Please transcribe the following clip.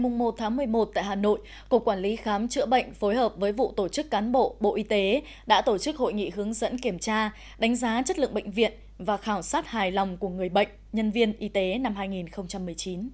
ngày một một mươi một tại hà nội cục quản lý khám chữa bệnh phối hợp với vụ tổ chức cán bộ bộ y tế đã tổ chức hội nghị hướng dẫn kiểm tra đánh giá chất lượng bệnh viện và khảo sát hài lòng của người bệnh nhân viên y tế năm hai nghìn một mươi chín